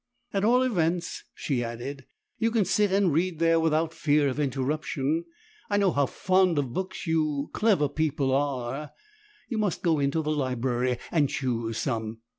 "At all events," she added, "you can sit and read there without fear of interruption. I know how fond of books you 'clever' people are you must go into the library and choose some.